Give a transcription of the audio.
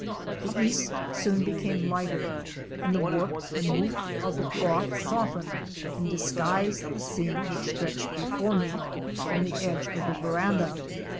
The east soon became lighter and the warp and woof of the cloth softened and dis guised the scene which stretched before me from the edge of the veranda.